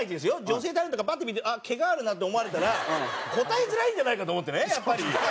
女性タレントがバッて見てあっ毛があるなと思われたら答えづらいんじゃないかと思ってねやっぱり。